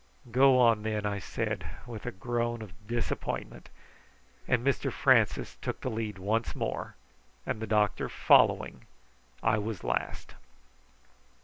"Go on then," I said, with a groan of disappointment, and Mr Francis took the lead once more, and, the doctor following, I was last.